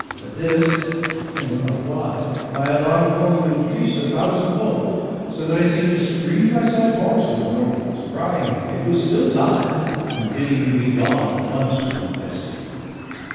At this I know not why my alarm for you increased a thousandfold, so that I seemed to scream myself hoarse with warnings, crying it was still time, and bidding you begone at once from that vestibule.